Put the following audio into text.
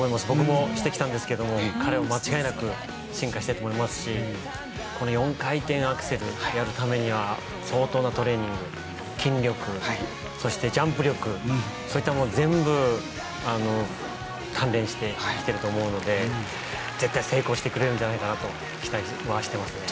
僕もしてきましたけど彼も間違いなく進化してると思いますしこの４回転アクセルをやるためには相当なトレーニング筋力とジャンプ力そういったものを全部鍛錬してきていると思うので絶対、成功してくれるんじゃないかなと期待はしてます。